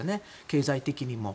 経済的にも。